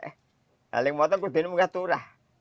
kalau dibuang kemudian diberikan kembali